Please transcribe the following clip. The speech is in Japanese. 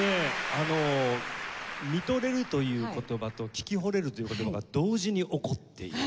あの見とれるという言葉と聴きほれるという言葉が同時に起こっている。